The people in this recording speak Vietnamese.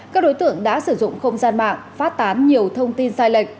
các đối tượng đã sử dụng không gian mạng phát tán nhiều thông tin sai lệch